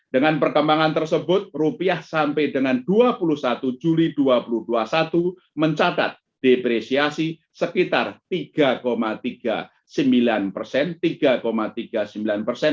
dengan perkembangan tersebut rupiah sampai dengan dua puluh satu juli dua ribu dua puluh satu mencatat depresiasi sekitar tiga tiga puluh sembilan persen tiga tiga puluh sembilan persen